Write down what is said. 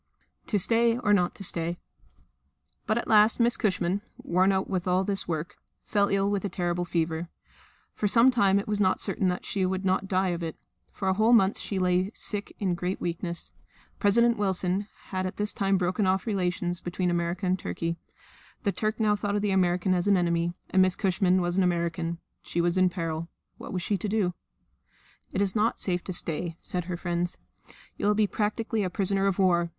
To Stay or not to Stay? But at last Miss Cushman worn out with all this work fell ill with a terrible fever. For some time it was not certain that she would not die of it; for a whole month she lay sick in great weakness. President Wilson had at this time broken off relations between America and Turkey. The Turk now thought of the American as an enemy; and Miss Cushman was an American. She was in peril. What was she to do? "It is not safe to stay," said her friends. "You will be practically a prisoner of war.